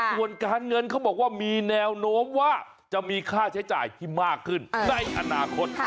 ส่วนการเงินเขาบอกว่ามีแนวโน้มว่าจะมีค่าใช้จ่ายที่มากขึ้นในอนาคต